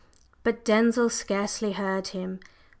But Denzil scarcely heard him.